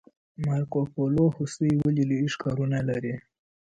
مارکوپولو هوسۍ ولې لوی ښکرونه لري؟